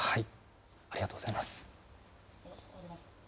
ありがとうございます。